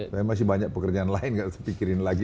saya masih banyak pekerjaan lain nggak pikirin lagi